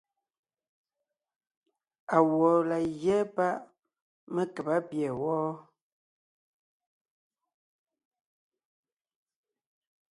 Awɔ̌ laa gyɛ́ páʼ mé kába pîɛ wɔ́?